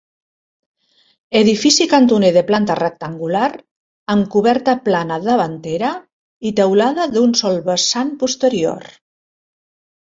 Edifici cantoner de planta rectangular, amb coberta plana davantera i teulada d'un sol vessant posterior.